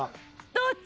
どっち？